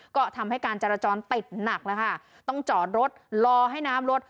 ก็ทำให้การจราจรติดหนักแล้วค่ะต้องจอดรถรอให้น้ำลด